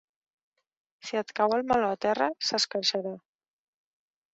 Si et cau el meló a terra, s'escarxarà.